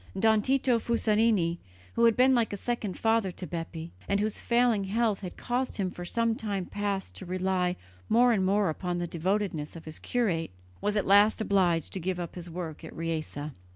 Don Tito Fusarini, who had been like a second father to Bepi, and whose failing health had caused him for some time past to rely more and more upon the devotedness of his curate, was at last obliged to give up his work at Riese.